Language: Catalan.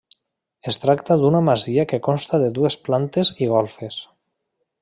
Es tracta d’una masia que consta de dues plantes i golfes.